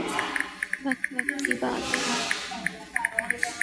وقت وقت کی بات ہے